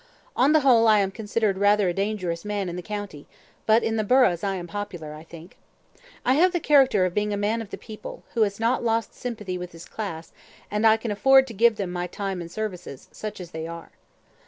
On the whole, I am considered rather a dangerous man in the county, but in the burghs I am popular, I think. I have the character of being a man of the people, who has not lost sympathy with his class, and I can afford to give them my time and services, such as they are."